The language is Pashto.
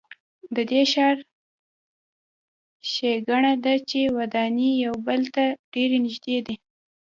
د دې ښار ښېګڼه ده چې ودانۍ یو بل ته ډېرې نږدې دي.